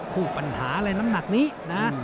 คู่ปัญหาในลำหนักนี้นะ